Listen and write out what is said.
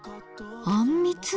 「あんみつ」。